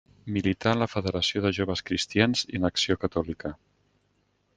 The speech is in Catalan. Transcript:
Milità en la Federació de Joves Cristians i en Acció Catòlica.